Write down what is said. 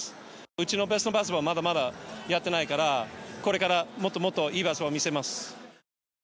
うちのベストパスも全然やってないからこれからもっともっといい場所を見せます。